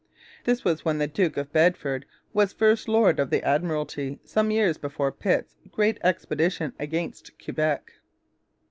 This was when the Duke of Bedford was first lord of the Admiralty, some years before Pitt's great expedition against Quebec.